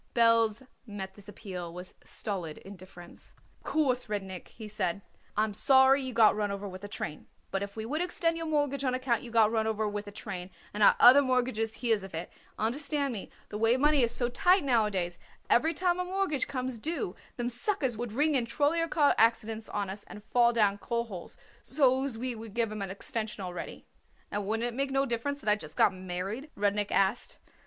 Belz met this appeal with stolid indifference. "Of course, Rudnik," he said, "I'm sorry you got run over with a train; but if we would extend your mortgage on account you got run over with a train and our other mortgagees hears of it, understand me, the way money is so tight nowadays, every time a mortgage comes due them suckers would ring in trollyer car accidents on us and fall down coal holes so as we would give 'em an extension already." "And wouldn't it make no difference that I just got married?" Rudnik asked.